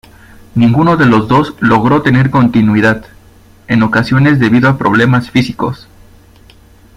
Ninguno de los dos logró tener continuidad, en ocasiones debido a problemas físicos.